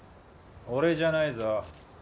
俺じゃないぞ。